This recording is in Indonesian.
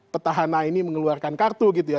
petahana ini mengeluarkan kartu gitu ya